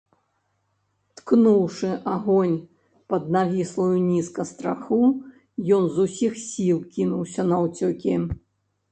Ткнуўшы агонь пад навіслую нізка страху, ён з усіх сіл кінуўся наўцёкі.